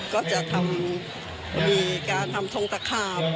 ก็จะทำมีการทำทงทะคาบ